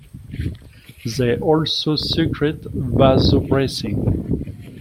They also secrete vasopressin.